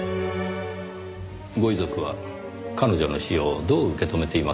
ご遺族は彼女の死をどう受け止めていますか？